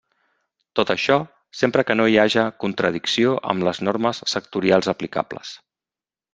Tot això, sempre que no hi haja contradicció amb les normes sectorials aplicables.